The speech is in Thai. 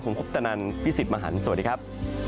ผมคุปตนันพี่สิทธิ์มหันฯสวัสดีครับ